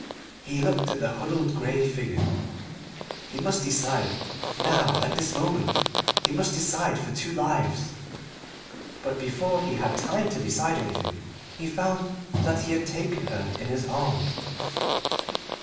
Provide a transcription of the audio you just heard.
He looked at the huddled grey figure. He must decide now, at this moment he must decide for two lives. But before he had time to decide anything he found that he had taken her in his arms.